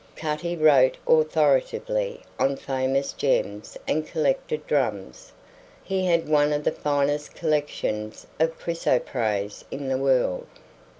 Cutty wrote authoritatively on famous gems and collected drums. He had one of the finest collections of chrysoprase in the world.